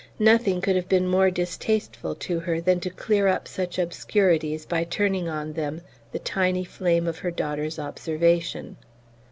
Nothing could have been more distasteful to her than to clear up such obscurities by turning on them the tiny flame of her daughter's observation.